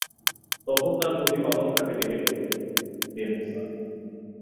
তখন তার প্রতিপালক তাকে ডেকে বললেন, হে মূসা!